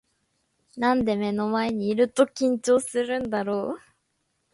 なんで目の前にいると緊張するんだろう